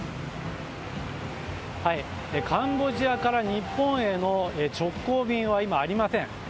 カンボジアから日本への直行便は今、ありません。